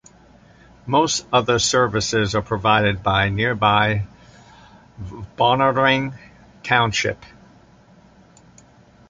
Most other services are provided by nearby Balnarring township.